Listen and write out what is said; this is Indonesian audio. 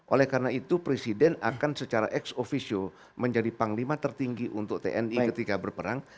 oleh karena itu presiden akan secara ex officio menjadi panglima tertinggi untuk tni ketika berperang